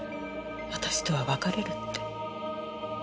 私とは別れるって。